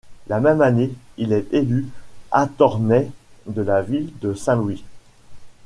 La même année, il est élu Attorney de la ville de Saint-Louis.